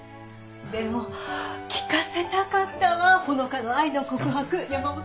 でも聞かせたかったわ穂香の愛の告白山本さんにも。